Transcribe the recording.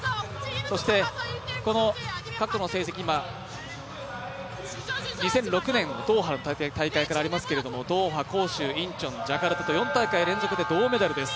そして、この過去の成績２００６年ドーハ大会からありますがドーハ、広州、インチョン、ジャカルタと４大会連続で銅メダルです。